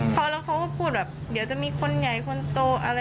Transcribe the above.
เขาแล้วเขาก็พูดเดี๋ยวจะมีคนใหญ่คนโต